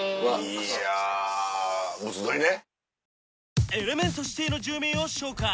いや物撮りね。